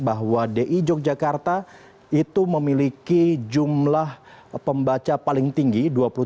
bahwa di yogyakarta itu memiliki jumlah pembaca paling tinggi